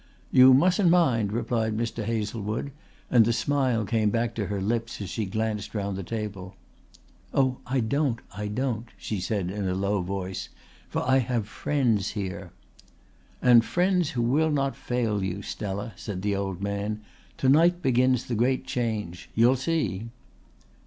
"You mustn't mind," replied Mr. Hazlewood, and the smile came back to her lips as she glanced round the table. "Oh, I don't, I don't," she said in a low voice, "for I have friends here." "And friends who will not fail you, Stella," said the old man. "To night begins the great change. You'll see."